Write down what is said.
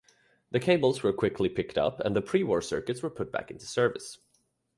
The cables were quickly picked up and the pre-war circuits put back into service.